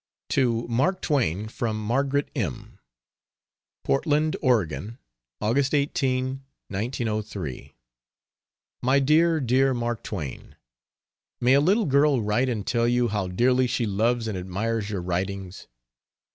To Mark Twain, from Margaret M : PORTLAND, OREGON Aug. 18, 1903. MY DEAR, DEAR MARK TWAIN, May a little girl write and tell you how dearly she loves and admires your writings?